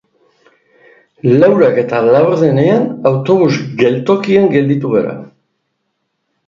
Laurak eta laurdenean autobus geltokian gelditu gara